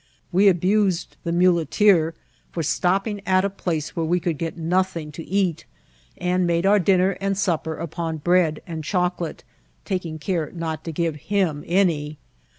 We abused the mule* teer for stopping at a place where we could get nothing to eat, and made our dinner and supper upon bread and 60 IMCIBBNTS OP TRATXL. obocolate, taking care not to give him any.